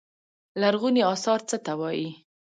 لرغوني اثار څه ته وايي.